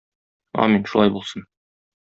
Амин, шулай булсын!